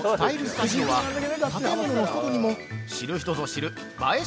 スタジオは建物の外にも知る人ぞ知る映え